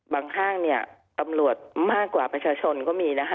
ห้างเนี่ยตำรวจมากกว่าประชาชนก็มีนะคะ